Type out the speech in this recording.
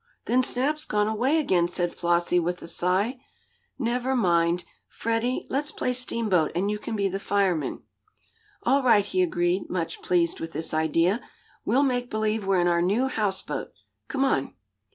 "Then Snap's gone away again," said Flossie with a sigh. "Never mind, Freddie. Let's play steamboat, and you can be the fireman." "All right," he agreed, much pleased with this idea. "We'll make believe we're in our new houseboat. Come on."